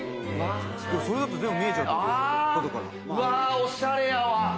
おしゃれやわ。